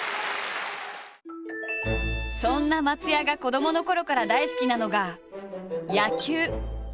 そんな松也が子どものころから大好きなのが野球。